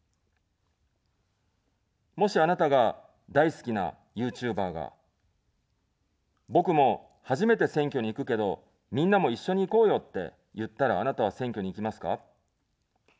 もし、あなたが大好きなＹｏｕＴｕｂｅｒが、僕も初めて選挙に行くけど、みんなも一緒に行こうよって言ったら、あなたは選挙に行きますか。